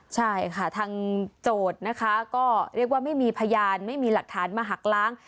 ใช่ค่ะทางโจทย์นะคะก็เรียกว่าไม่มีพยานไม่มีหลักฐานมาหักล้าง